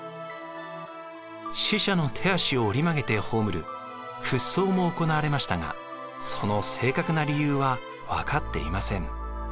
死者の手足を折り曲げて葬る屈葬も行われましたがその正確な理由は分かっていません。